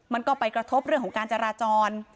มันก็ไปกระทบเรื่องของการจราจร